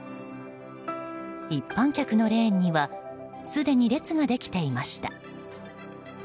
一般客のレーンにはすでに列ができていました。